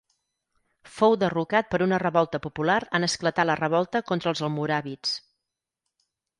Fou derrocat per una revolta popular en esclatar la revolta contra els almoràvits.